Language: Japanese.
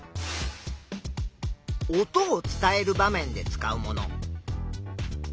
「音を伝える場面で使うもの」。